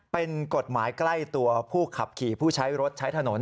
เป็นกฎหมายใกล้ตัวผู้ขับขี่ผู้ใช้รถใช้ถนน